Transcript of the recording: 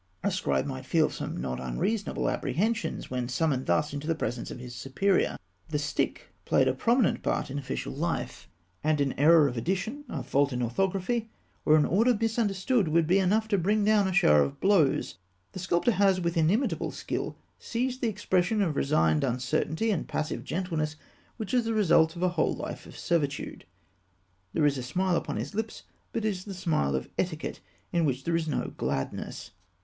A scribe might feel some not unreasonable apprehensions, when summoned thus into the presence of his superior. The stick played a prominent part in official life, and an error of addition, a fault in orthography, or an order misunderstood, would be enough to bring down a shower of blows. The sculptor has, with inimitable skill, seized that expression of resigned uncertainty and passive gentleness which is the result of a whole life of servitude. There is a smile upon his lips, but it is the smile of etiquette, in which there is no gladness.